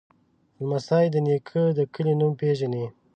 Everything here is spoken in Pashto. لمسی د نیکه د کلي نوم پیژني.